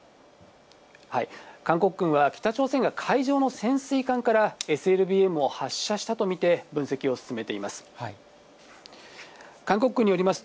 韓国軍は、北朝鮮が海上の潜水艦からＳＬＢＭを発射したと見て、分析を進めています。